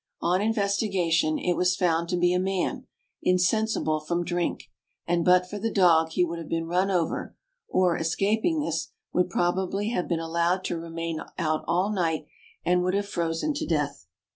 On investigation, it was found to be a man, insensible from drink, and but for the dog he would have been run over; or, escaping this, would possibly have been allowed to remain out all night, and would have frozen to death.